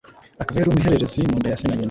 akaba yari umuherererezi mu nda ya se na nyina